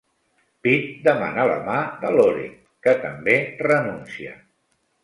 Pitt demana la mà de Loren, que també renuncia.